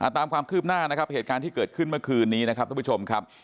ตามความคืบหน้านะครับเหตุการณ์ที่เกิดขึ้นเมื่อคืนนี้นะครับทุกผู้ชมครับ